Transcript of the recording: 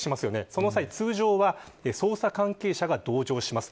その際、通常は捜査関係者が同乗します。